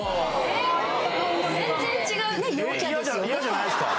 えっ嫌じゃないですか。